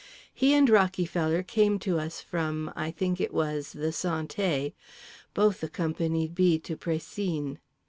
He and Rockyfeller came to us from, I think it was, the Santé; both accompanied B. to Précigne.